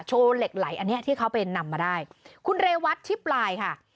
เหล็กไหลอันเนี้ยที่เขาไปนำมาได้คุณเรวัตชิปลายค่ะ